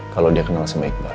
kalau dia kenal sama iqbal